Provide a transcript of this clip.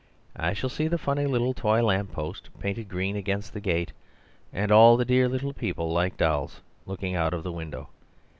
I shall see the funny little toy lamp post painted green against the gate, and all the dear little people like dolls looking out of the window.